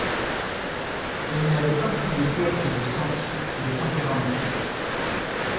Elle n'avait pas plus de coeur que de sens, de tempérament.